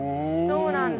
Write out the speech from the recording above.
そうなんだ。